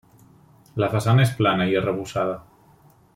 La façana és plana i arrebossada.